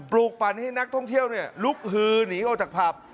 ลูกปั่นให้นักท่องเที่ยวลุกฮือหนีออกจากผับ